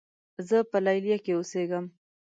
زۀ په لیلیه کې اوسېږم.